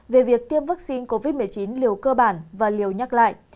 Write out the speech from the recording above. về việc tiêm vaccine covid một mươi chín liều cơ bản và liều nhắc lại